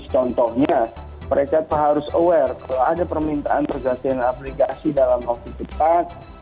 contohnya mereka harus aware kalau ada permintaan pergantian aplikasi dalam waktu cepat